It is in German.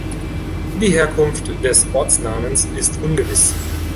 Die Herkunft des Ortsnamens ist ungewiss.